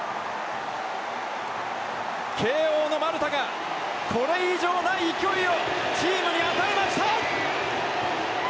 慶応の丸田がこれ以上ない勢いをチームに与えました！